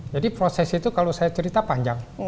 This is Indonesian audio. jadi proses itu kalau saya cerita panjang